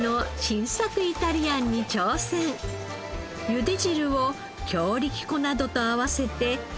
ゆで汁を強力粉などと合わせて。